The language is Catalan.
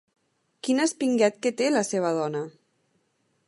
Quin espinguet que té, la seva dona!